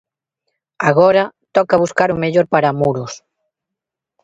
Agora, toca "buscar o mellor para Muros".